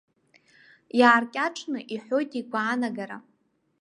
Иааркьаҿны иҳәоит игәаанагара.